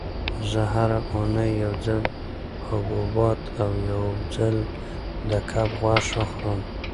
زه هره اونۍ یو ځل حبوبات او یو ځل د کب غوښه خورم.